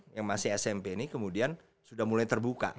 yang masih smp ini kemudian sudah mulai terbuka